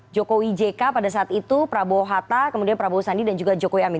jokowi jk pada saat itu prabowo hatta kemudian prabowo sandi dan juga jokowi amin